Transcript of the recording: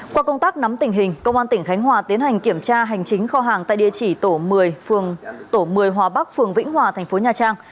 qua công tác nắm tình hình công an tỉnh khánh hòa tiến hành kiểm tra hành chính kho hàng tại địa chỉ tổ một mươi hòa bắc phường vĩnh hòa thành phố nhà trang